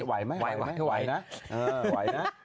ไหวไหมไหวนะไหวนะ